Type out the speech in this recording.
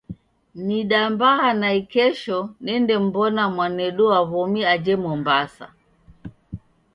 Nidambagha naikesho nende mw'ona mwanedu wa w'omi aje Mwambasa.